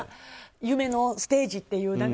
夢のステージっていう。